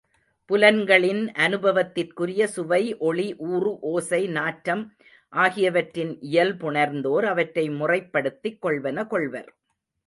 புலன்களின் அனுபவத்திற்குரிய சுவை ஒளி ஊறுஒசை நாற்றம் ஆகியவற்றின் இயல்புணர்ந்தோர் அவற்றை முறைப்படுத்திக் கொள்வன கொள்வர்.